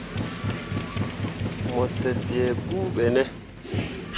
Mo te dǝǝ guu ɓe ne ?